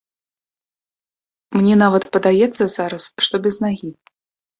Мне нават падаецца зараз, што без нагі.